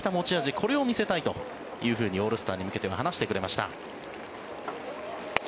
これを見せたいというふうにオールスターに向けては話してくれました。